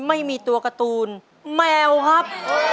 ไม่มีตัวการ์ตูนแมวครับ